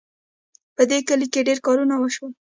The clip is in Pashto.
په دې کال کې ډېر کارونه وشول